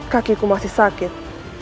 kakiku masih sakit